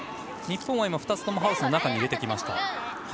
日本は２つともハウスの中に入れてきました。